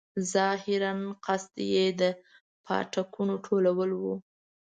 ظاهراً قصد یې د پاټکونو ټولول وو.